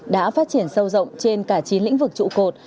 đã phát triển sâu rộng trên cả chín lĩnh vực trụ cột